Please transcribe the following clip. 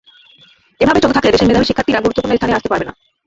এভাবে চলতে থাকলে দেশের মেধাবী শিক্ষার্থীরা গুরুত্বপূর্ণ স্থানে আসতে পারবেন না।